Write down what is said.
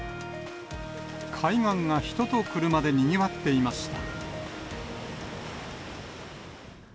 海岸が人と車でにぎわっていました。